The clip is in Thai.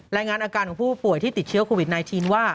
รายงานอาการของผู้ป่วยที่ติดเชื้อคอเป็นไข้ว่า